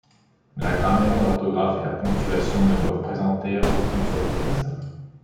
La grammaire, l’orthographe et la ponctuation ne doivent présenter aucune surprise.